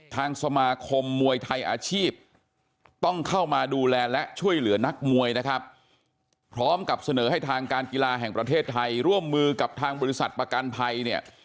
ทางสมาคมมวยไทยอาชีพต้องเข้ามาดูแลและช่วยเหลือนักมวยนะครับพร้อมกับเสนอให้ทางการกีฬาแห่งประเทศไทยร่วมมือกับทางบริษัทประกันภัยเนี่ย